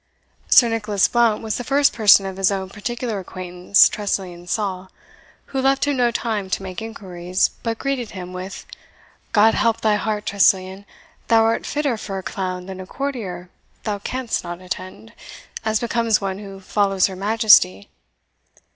Sir Nicholas Blount was the first person of his own particular acquaintance Tressilian saw, who left him no time to make inquiries, but greeted him with, "God help thy heart, Tressilian! thou art fitter for a clown than a courtier thou canst not attend, as becomes one who follows her Majesty.